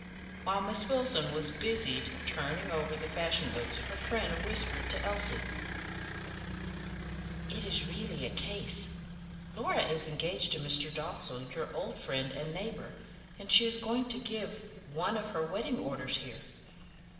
While Miss Wilson was busied turning over the fashion books, her friend whispered to Elsie: "It is really a case; Laura is engaged to Mr. Dalzell, your old friend and neighbour, and she is going to give one of her wedding orders here.